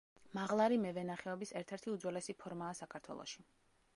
მაღლარი მევენახეობის ერთ-ერთი უძველესი ფორმაა საქართველოში.